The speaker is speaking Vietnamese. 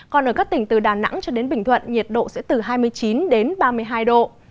còn ở các tỉnh từ đà nẵng cho đến bình thuận nhiệt độ sẽ từ hai mươi chín đến ba mươi hai độ